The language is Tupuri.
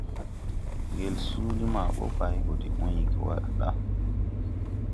Ngel suuli maa bɔ bay go de uygi wa da.